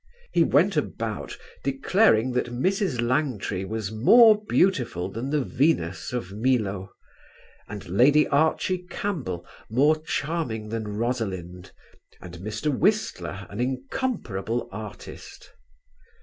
He went about declaring that Mrs. Langtry was more beautiful than the "Venus of Milo," and Lady Archie Campbell more charming than Rosalind and Mr. Whistler an incomparable artist.